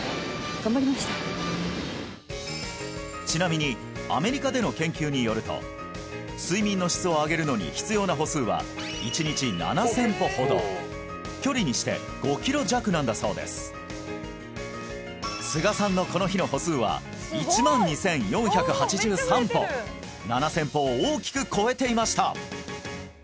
ちなみにアメリカでの研究によると睡眠の質を上げるのに必要な歩数は１日７０００歩ほど距離にして５キロ弱なんだそうです菅さんのこの日の歩数は１万２４８３歩７０００歩を大きく超えていました